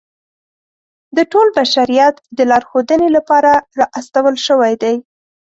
د ټول بشریت د لارښودنې لپاره را استول شوی دی.